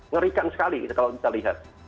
ngerikan sekali kalau kita lihat